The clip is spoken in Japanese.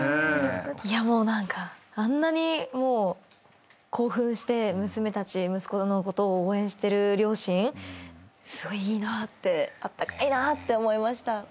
いやもう何かあんなに興奮して娘たち息子のことを応援してる両親すごいいいなってあったかいなって思いました。